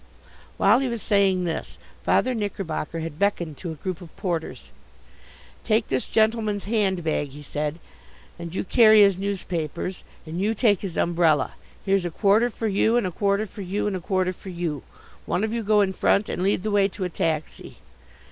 While he was saying this, Father Knickerbocker had beckoned to a group of porters. "Take this gentleman's handbag," he said, "and you carry his newspapers, and you take his umbrella. Here's a quarter for you and a quarter for you and a quarter for you. One of you go in front and lead the way to a taxi."